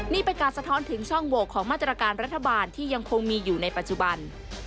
นี่เป็นการสะท้อนถึงช่องโหวกของมาตรการรัฐบาลที่ยังคงมีอยู่ในปัจจุบัน